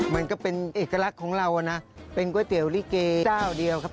มันก็เป็นเอกลักษณ์ของเรานะเป็นก๋วยเตี๋ยวลิเกเจ้าเดียวครับ